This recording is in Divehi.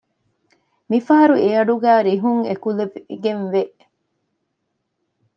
މިފަހަރު އެއަޑުގައި ރިހުން އެކުލެވިގެންވެ